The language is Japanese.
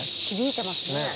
響いてますね。